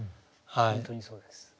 本当にそうです。